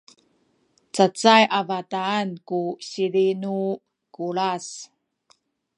cacay a bataan ku sizi ni Kulas